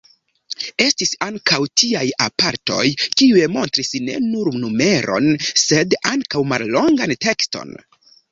Estis ankaŭ tiaj aparatoj, kiuj montris ne nur numeron, sed ankaŭ mallongan tekston.